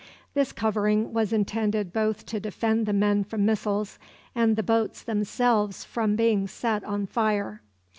This covering was intended both to defend the men from missiles and the boats themselves from being set on fire.